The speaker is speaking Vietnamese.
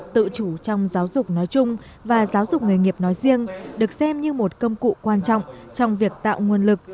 tự chủ trong giáo dục nói chung và giáo dục nghề nghiệp nói riêng được xem như một công cụ quan trọng trong việc tạo nguồn lực